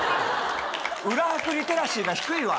裏拍リテラシーが低いわ。